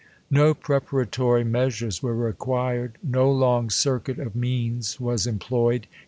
No preparatory measures were required. No long circuit of means was employed.